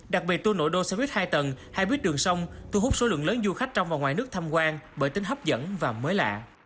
đặc biệt tour nội đô xe buýt hai tầng hai buýt đường sông thu hút số lượng lớn du khách trong và ngoài nước tham quan bởi tính hấp dẫn và mới lạ